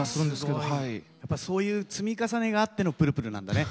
やっぱそういう積み重ねがあってのプルプルなんだね。